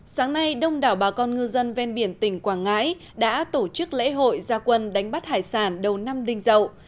sáng nay đông đảo bà con ngư dân ven biển tỉnh quảng ngãi đã tổ chức lễ hội gia quân đánh bắt hải sản đầu năm đình dậu